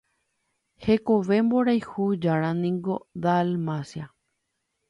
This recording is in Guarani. Hekove mborayhu járaniko Dalmacia.